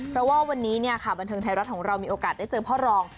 เพราะว่าวันนี้บันเทิงไทยรัฐของเรามีโอกาสได้เจอพ่อรอง